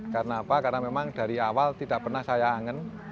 karena memang dari awal tidak pernah saya angin